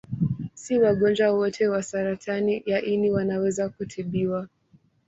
Si wagonjwa wote wa saratani ya ini wanaweza kutibiwa.